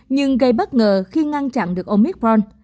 nhưng gây bất ngờ khi ngăn chặn được omicron